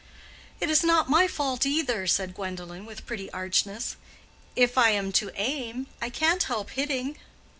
"It is not my fault, either," said Gwendolen, with pretty archness. "If I am to aim, I can't help hitting."